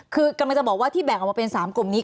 คือกำลังจะบอกว่าที่แบ่งออกมาเป็น๓กลุ่มนี้